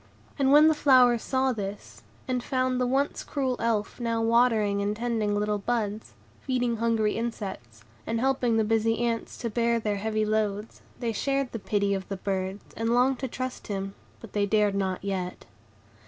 And when the flowers saw this, and found the once cruel Elf now watering and tending little buds, feeding hungry insects, and helping the busy ants to bear their heavy loads, they shared the pity of the birds, and longed to trust him; but they dared not yet.